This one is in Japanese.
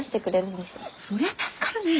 そりゃ助かるねえ！